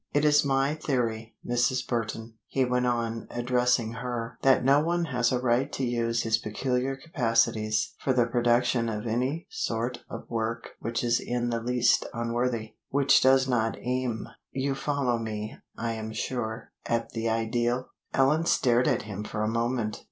It is my theory, Mrs. Burton," he went on, addressing her, "that no one has a right to use his peculiar capacities for the production of any sort of work which is in the least unworthy; which does not aim you follow me, I am sure? at the ideal." Ellen stared at him for a moment.